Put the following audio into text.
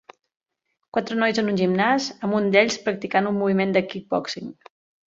Quatre nois en un gimnàs amb un d'ells practicant un moviment de Kickboxing